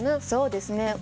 そうですね。